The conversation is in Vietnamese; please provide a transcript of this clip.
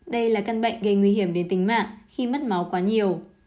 đây là căn bệnh gây nguy hiểm đến tính mạng khi mất máu quá nhiều